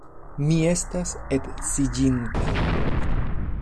Mi estas edziĝinta.